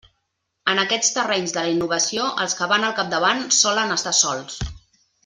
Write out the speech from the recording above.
En aquests terrenys de la innovació els que van al capdavant solen estar sols.